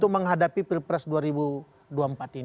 kita sudah siap lahir batin